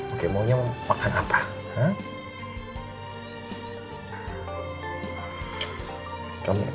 oke maunya makan apa